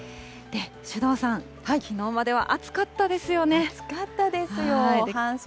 首藤さん、きのうまでは暑かった暑かったですよ。